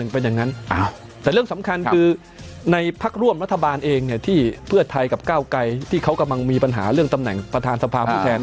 เป็นอย่างนั้นแต่เรื่องสำคัญคือในพักร่วมรัฐบาลเองเนี่ยที่เพื่อไทยกับก้าวไกรที่เขากำลังมีปัญหาเรื่องตำแหน่งประธานสภาผู้แทน